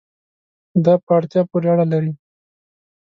دا په اړتیا پورې اړه لري